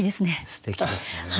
すてきですね。